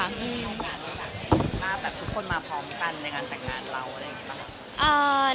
ถ้าแบบทุกคนมาพร้อมกันในงานแต่งงานเราอะไรอย่างนี้เปล่า